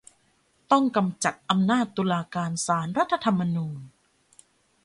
ต้องกำจัดอำนาจตุลาการศาลรัฐธรรมนูญ